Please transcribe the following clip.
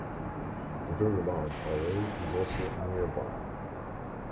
The Very Large Array is also nearby.